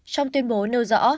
trong tuyên bố nêu rõ